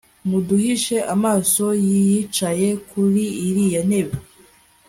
muduhishe amaso y iyicaye kuri iriya ntebe